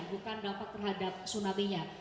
bukan dampak terhadap tsunami nya